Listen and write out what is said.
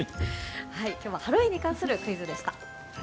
今日はハロウィーンに関するクイズでした。